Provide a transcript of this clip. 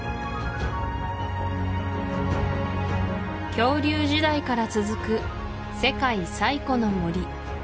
恐竜時代から続く世界最古の森